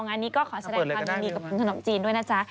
งานนี้ก็ขอแสดงความยินดีกับคุณขนมจีนด้วยนะจ๊ะ